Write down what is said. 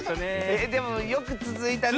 えでもよくつづいたね。